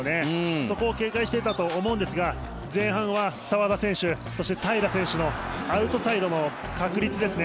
そこを警戒していたと思うんですが前半は澤田選手そして平良選手のアウトサイドの確率ですね。